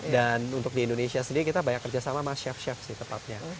dan untuk di indonesia sendiri kita banyak kerjasama sama chef chef sih tepatnya